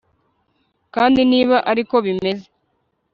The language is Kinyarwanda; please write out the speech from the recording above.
kandi niba ari ko bimeze